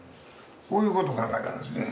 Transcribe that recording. こういうこと考えたんですね。